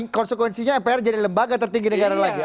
konsekuensinya mpr jadi lembaga tertinggi negara lagi